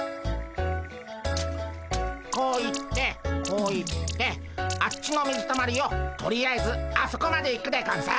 こう行ってこう行ってあっちの水たまりをとりあえずあそこまで行くでゴンス。